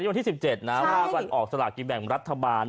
วันที่๑๗นะว่าวันออกสลากกินแบ่งรัฐบาล